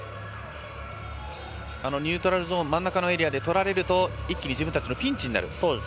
ニュートラルゾーン真ん中のエリアでとられると一気に自分たちのピンチになる。